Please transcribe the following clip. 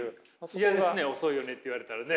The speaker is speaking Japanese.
嫌ですね「遅いよね」って言われたらね。